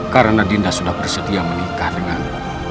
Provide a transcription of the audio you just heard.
karena dinda sudah bersetia menikah denganmu